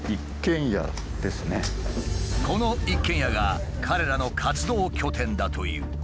この一軒家が彼らの活動拠点だという。